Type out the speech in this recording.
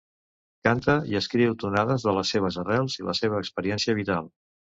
Canta i escriu tonades de les seves arrels i la seva experiència vital.